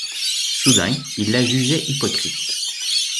Soudain il la jugeait hypocrite.